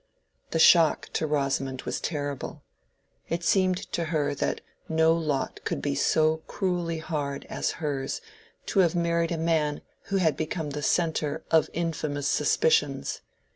The shock to Rosamond was terrible. It seemed to her that no lot could be so cruelly hard as hers to have married a man who had become the centre of infamous suspicions.